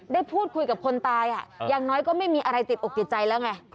ได้พูดคุยกับคนตายอย่างน้อยก็ไม่มีอะไรติดอกติดใจแล้วไง